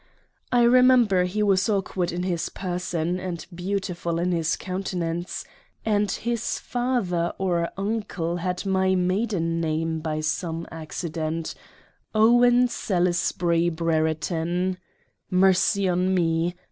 I remember he was awkward in his Person, and beautiful in his Countenance, and his Father or Uncle had my Maiden Name by some Accident — Owen Salusbury Brereton. Mercy on me